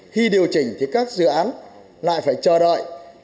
khi điều chỉnh thì các dự án lại phải chờ đợi